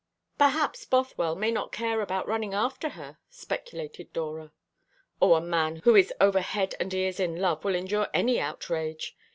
"Perhaps Bothwell may not care about running after her," speculated Dora. "O, a man who is over head and ears in love will endure any outrage.